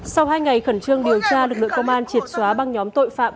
sau hai ngày khẩn trương điều tra lực lượng công an triệt xóa băng nhóm tội phạm